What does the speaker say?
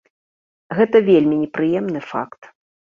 Гэта вельмі непрыемны факт.